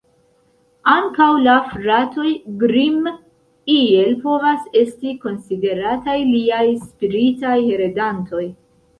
Ankaŭ la Fratoj Grimm iel povas esti konsiderataj liaj spiritaj heredantoj.